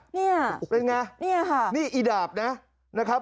นี่ไงครับนี่ไงครับนี่อีดาบนะนะครับ